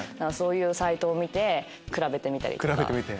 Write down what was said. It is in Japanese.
そういうサイトを見て比べてみたりとか。